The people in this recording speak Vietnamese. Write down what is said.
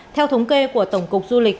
theo thống kê của tổng cục du lịch